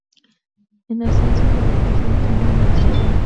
En Ascensión le representa un administrador.